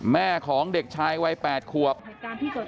แม่ของเด็กชายวัย๘ขวบ